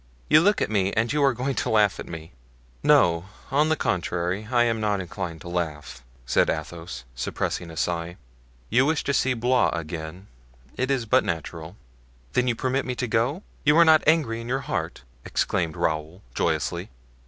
You look at me and you are going to laugh at me." "No, on the contrary, I am not inclined to laugh," said Athos, suppressing a sigh. "You wish to see Blois again; it is but natural." "Then you permit me to go, you are not angry in your heart?" exclaimed Raoul, joyously.